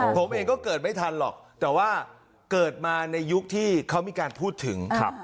ผมเองก็เกิดไม่ทันหรอกแต่ว่าเกิดมาในยุคที่เขามีการพูดถึง